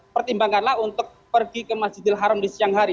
pertimbangkanlah untuk pergi ke masjidil haram di siang hari